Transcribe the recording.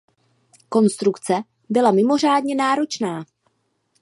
Konstrukce byla mimořádně náročná.